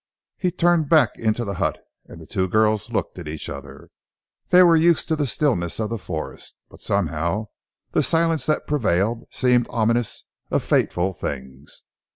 He turned back into the hut, and the two girls looked at each other. They were used to the stillness of the forest, but somehow the silence that prevailed seemed ominous of fateful things.